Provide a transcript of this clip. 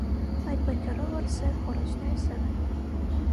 Այդ պատճառով ալ սեւ խոռոչները սեւ են։